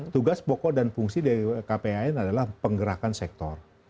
tugas pokok dan fungsi dari kpan adalah penggerakan sektor